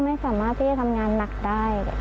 ไม่สามารถที่จะทำงานหนักได้